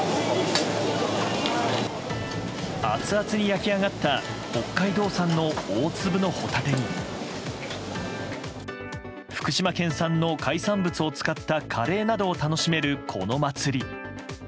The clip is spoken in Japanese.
アツアツに焼き上がった北海道産の大粒のホタテに福島県産の海産物を使ったカレーなどを楽しめるこの祭り。